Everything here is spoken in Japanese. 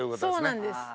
そうなんです。